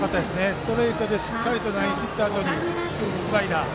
ストレートでしっかりと投げきったあとにスライダー。